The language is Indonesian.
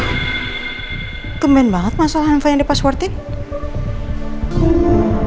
loh gemben banget mas al hanfa yang dipaswortin